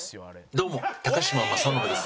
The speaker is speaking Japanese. どうも嶋政伸です。